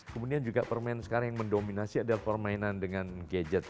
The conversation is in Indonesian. kemudian juga permainan sekarang yang mendominasi adalah permainan dengan gadget